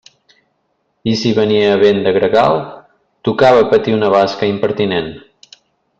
I si venia vent de gregal, tocava patir una basca impertinent.